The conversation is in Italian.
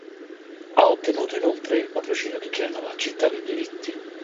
Ha ottenuto inoltre il patrocinio di Genova Città dei Diritti.